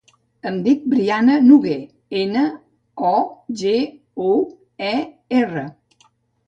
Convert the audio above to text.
Em dic Brianna Noguer: ena, o, ge, u, e, erra.